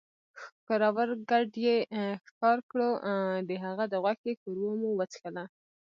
ښکرور ګډ ئې ښکار کړو، د هغه د غوښې ښوروا مو وڅښله